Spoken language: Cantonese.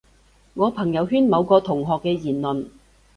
我朋友圈某個同學嘅言論